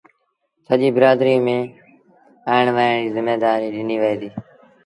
سڄيٚ برآدريٚ ميݩ اُيٚڻ ويهڻ ريٚ زميدآريٚ ڏنيٚ وهي ديٚ